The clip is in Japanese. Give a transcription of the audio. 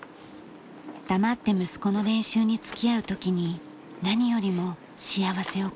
黙って息子の練習に付き合う時に何よりも幸せを感じるそうです。